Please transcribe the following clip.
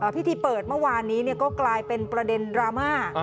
พิธีเปิดเมื่อวานนี้ก็กลายเป็นประเด็นดราม่า